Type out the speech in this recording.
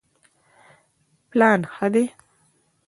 پلان ښه دی.